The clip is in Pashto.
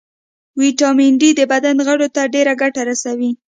ويټامین ډي د بدن غړو ته ډېره ګټه رسوي